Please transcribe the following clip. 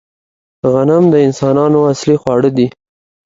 غنم د انسانانو اصلي خواړه دي